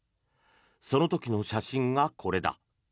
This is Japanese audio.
その時の写真がこれだ。